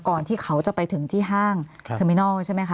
ที่เขาจะไปถึงที่ห้างเทอร์มินอลใช่ไหมคะ